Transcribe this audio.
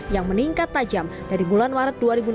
yang meningkat tajam dari bulan maret dua ribu enam belas